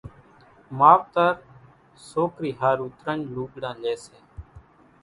ماوتر سوڪري ۿارُو ترڃ لوڳڙان لئي سي